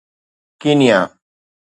Kenya